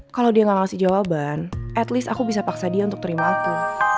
kalau dia gak ngasih jawaban at least aku bisa paksa dia untuk terima aku